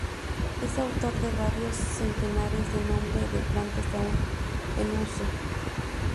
Es autor de varios centenares de nombres de plantas aún en uso.